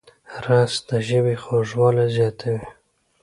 رس د ژبې خوږوالی زیاتوي